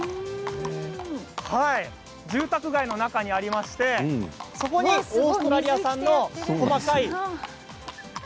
住宅街の中にありましてそこにオーストラリア産の細かい。